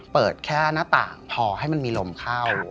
เปิดแค่หน้าต่างพอให้มันมีลมเข้า